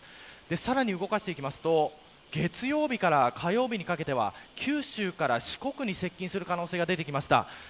さらに動かしていくと月曜日から火曜日にかけては九州から四国に接近する可能性が出てきました。